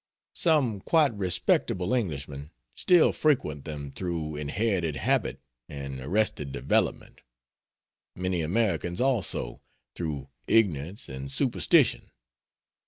Some quite respectable Englishmen still frequent them through inherited habit and arrested development; many Americans also, through ignorance and superstition.